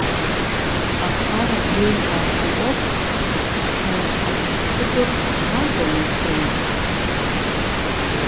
Къэхъуар адрейм къыгурыIуэху, псэущхьэ дахэ цIыкIур макIуэ-мэлъей.